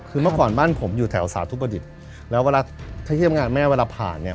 คือเมื่อก่อนบ้านผมอยู่แถวสาธุประดิษฐ์แล้วเวลาถ้าเยี่ยมงานแม่เวลาผ่านเนี่ย